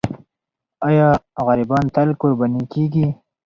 آیا غریبان تل قرباني کېږي؟